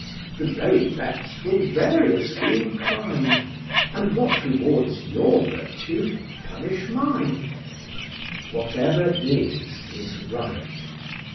The very best will variously incline, And what rewards your virtue, punish mine. Whatever is, is right.